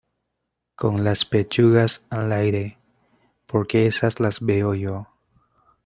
con las pechugas al aire, porque esas las veo yo